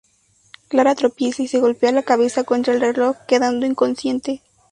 Clara tropieza y se golpea la cabeza contra el reloj, quedando inconsciente.